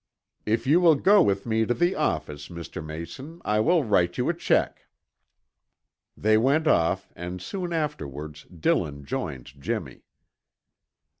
"If you will go with me to the office, Mr. Mayson, I will write you a check." They went off and soon afterwards Dillon joined Jimmy.